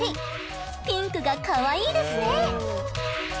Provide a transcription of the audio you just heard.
ピンクがかわいいですね。